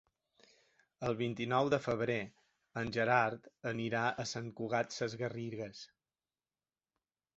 El vint-i-nou de febrer en Gerard anirà a Sant Cugat Sesgarrigues.